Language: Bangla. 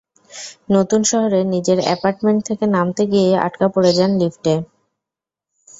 নতুন শহরে নিজের অ্যাপার্টমেন্ট থেকে নামতে গিয়েই আটকা পড়ে যান লিফটে।